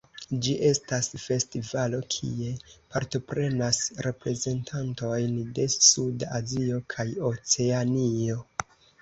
Ĝi estas festivalo kie partoprenas reprezentantojn de suda Azio kaj Oceanio.